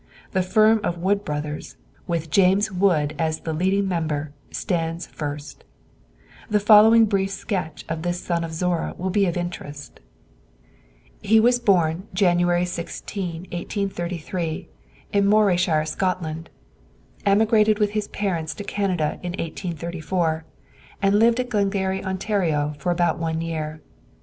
The firm of Wood Brothers, with James Wood as the leading member, stands first. The following brief sketch of this son of Zorra will be of interest. He was born, January 16, 1833, in Morayshire, Scotland; emigrated with his parents to Canada in 1834, and lived in Glengarry, Ont., for about one year.